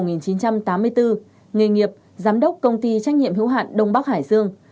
nghề nghiệp giám đốc công ty trách nhiệm hữu hạn đông bắc hải dương